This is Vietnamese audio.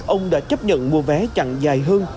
ông đã chấp nhận mua vé chặn dài hơn